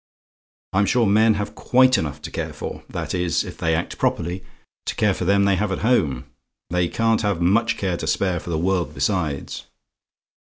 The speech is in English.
I'm sure men have quite enough to care for that is, if they act properly to care for them they have at home. They can't have much care to spare for the world besides.